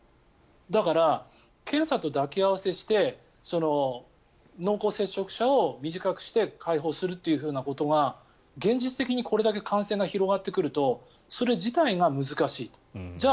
だから、検査と抱き合わせして濃厚接触者を短くして解放するっていうことが現実的にこれだけ感染が広がってくるとそれ自体が難しい。